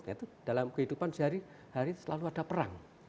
yaitu dalam kehidupan sehari hari selalu ada perang